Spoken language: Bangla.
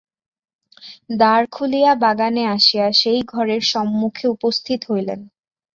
দ্বার খুলিয়া বাগানে আসিয়া সেই ঘরের সম্মুখে উপস্থিত হইলেন।